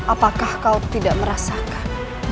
apakah kau tidak merasakan